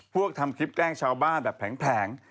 ทำคลิปแกล้งชาวบ้านแบบแผง